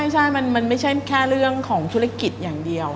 ใช่มันไม่ใช่แค่เรื่องของธุรกิจอย่างเดียว